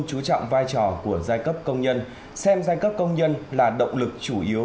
chú trọng vai trò của giai cấp công nhân xem giai cấp công nhân là động lực chủ yếu